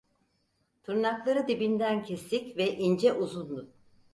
Tırnakları dibinden kesik ve ince uzundu.